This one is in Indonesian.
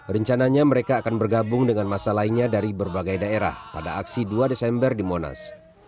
rencananya mereka akan bergabung dengan masa lainnya dari berbagai daerah pada aksi dua desember di monas